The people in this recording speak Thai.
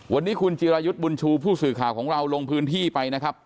วันนี้คุณจิรายุทธ์บุญชูผู้สื่อข่าวของเราลงพื้นที่ไปนะครับ